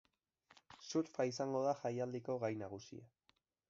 Surfa izango da jaialdiko gai nagusia.